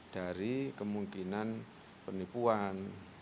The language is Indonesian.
dari kemungkinan penipuan